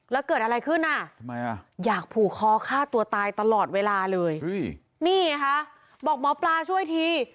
แล้วเกิดอะไรขึ้นอ่ะทำไมอ่ะอยากผูกคอฆ่าตัวตายตลอดเวลาเลยนี่ไงคะบอกหมอปลาช่วยที